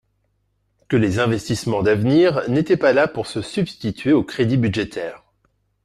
que les investissements d’avenir n’étaient pas là pour se substituer aux crédits budgétaires.